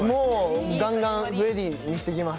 ガンガンフレディにしてきます。